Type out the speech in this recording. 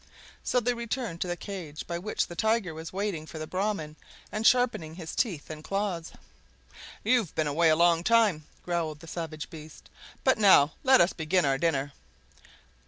So they returned to the cage, by which the Tiger was waiting for the Brahman, and sharpening his teeth and claws. "You've been away a long time!" growled the savage beast, "but now let us begin our dinner."